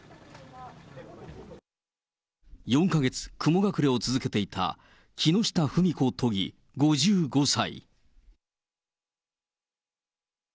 ４か月、雲隠れを続けていた木下富美子都議５５歳。